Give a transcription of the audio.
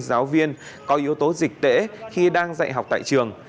giáo viên có yếu tố dịch tễ khi đang dạy học tại trường